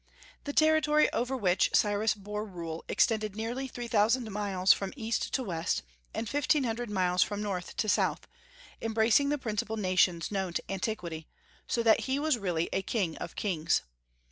The territory over which Cyrus bore rule extended nearly three thousand miles from east to west, and fifteen hundred miles from north to south, embracing the principal nations known to antiquity, so that he was really a king of kings.